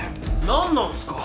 何なんすか。